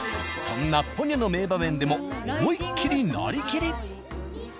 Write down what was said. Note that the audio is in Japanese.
そんな「ポニョ」の名場面でも思いっ切りなりきり。